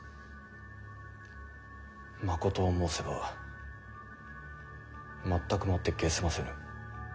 まことを申せば全くもって解せませぬ。